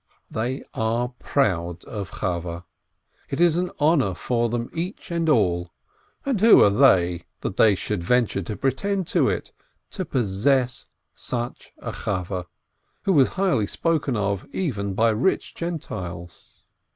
They are proud of Chaweh; it is an honor for them each and all (and who are they that they should venture to pretend to it?) to possess such a Chaweh, who was highly spoken of even by rich Gentiles.